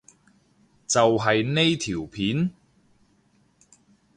就係呢條片？